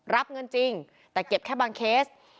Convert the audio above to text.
รับเงินจริงแต่เก็บแค่บางเคส